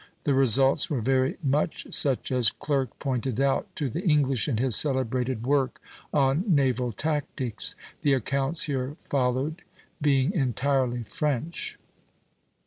The results were very much such as Clerk pointed out to the English in his celebrated work on naval tactics, the accounts here followed being entirely French.